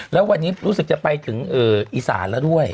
แล้ววันนี้รู้สึกจะไปถึงอีสานแล้วด้วย